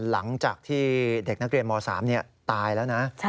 หลังจากที่เด็กนักเรียนม๓ตายแล้วนะ